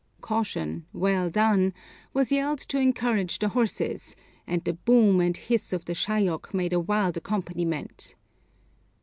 _ ('Caution!' 'Well done!') was yelled to encourage the horses, and the boom and hiss of the Shayok made a wild accompaniment.